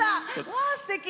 わすてき。